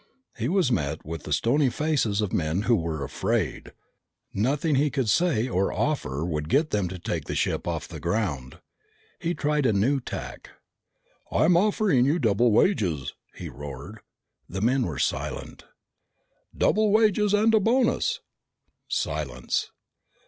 He was met with the stony faces of men who were afraid. Nothing he could say or offer them would get them to take the ship off the ground. He tried a new tack. "I'm offering you double wages!" he roared. The men were silent. "Double wages and a bonus!" Silence.